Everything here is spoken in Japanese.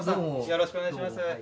よろしくお願いします。